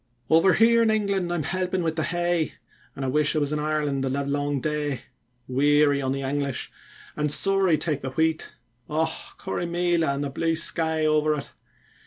Over here in England I'm helpin' wi' the hay, An' I wish I was in Ireland the livelong day; Weary on the English, an' sorra take the wheat! Och! Corrymeela an' the blue sky over it.